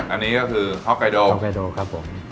อันนี้ก็คือฮอกไกโดครับผม